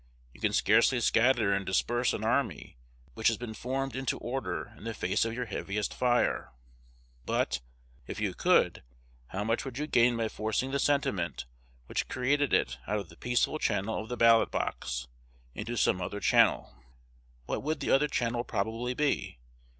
You can scarcely scatter and disperse an army which has been formed into order in the face of your heaviest fire; but, if you could, how much would you gain by forcing the sentiment which created it out of the peaceful channel of the ballot box, into some other channel? What would that other channel probably be?